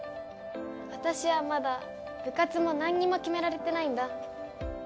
私はまだ部活も何にも決められてないんだ。